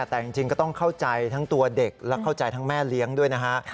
แต่จริงก็ต้องเข้าใจทั้งตัวเด็กและเข้าใจทั้งแม่เลี้ยงด้วยนะฮะ